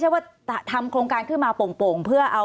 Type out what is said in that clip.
สวัสดีครับทุกคน